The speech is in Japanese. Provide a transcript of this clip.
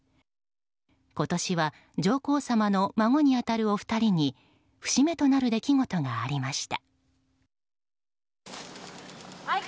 今年は、上皇さまの孫に当たるお二人に節目となる出来事がありました。